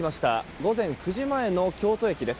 午前９時前の京都駅です。